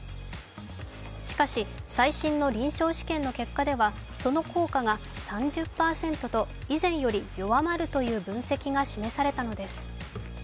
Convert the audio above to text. しかし、最新の臨床試験の結果ではその効果が３０％と以前より弱まるという分析が示されたのです。